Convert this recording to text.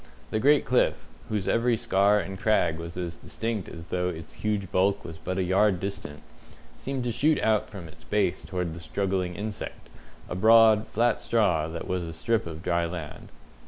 The great cliff, whose every scar and crag was as distinct as though its huge bulk was but a yard distant, seemed to shoot out from its base towards the struggling insect, a broad, flat straw, that was a strip of dry land.